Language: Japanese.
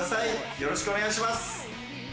よろしくお願いします。